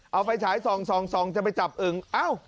เอาไฟฉายซองจะไปจับอึ่งเอ้า